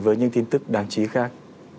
với những tin tức đáng chí khác